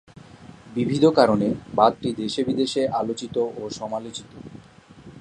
বিবিধ কারণে বাঁধটি দেশে বিদেশে আলোচিত ও সমালোচিত।